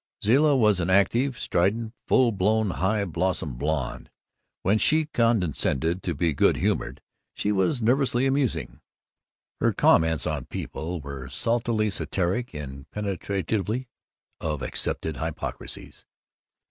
Zilla was an active, strident, full blown, high bosomed blonde. When she condescended to be good humored she was nervously amusing. Her comments on people were saltily satiric and penetrative of accepted hypocrisies.